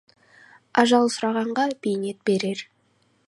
Ажал сұрағанға бейнет берер.